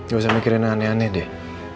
gak usah mikirin aneh aneh deh